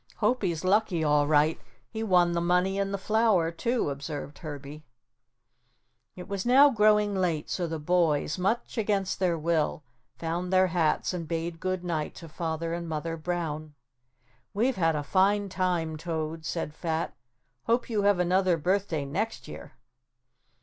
"Hopie's lucky all right; he won the money in the flour, too," observed Herbie. It was now growing late so the boys, much against their will, found their hats and bade good night to Father and Mother Brown. "We've had a fine time, Toad," said Fat, "hope you have another birthday next year."